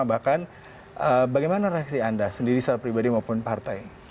bahkan bagaimana reaksi anda sendiri secara pribadi maupun partai